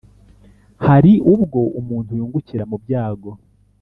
Hari ubwo umuntu yungukira mu byago,